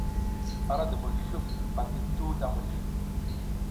Ara dubun sluf ati tuhu da mizliy.